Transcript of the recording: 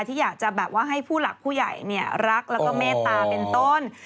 ที่อยากจะแบบว่าให้ผู้หลักผู้ใหญ่รักแล้วก็เมตตาเป็นต้น